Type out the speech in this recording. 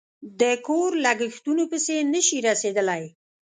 د کور لگښتونو پسې نشي رسېدلی